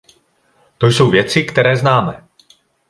To jsou věci, které známe.